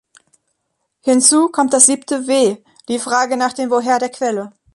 Hinzu kommt das siebte "W", die Frage nach dem Woher der Quelle.